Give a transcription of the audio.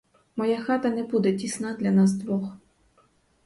Моя хата не буде тісна для нас двох.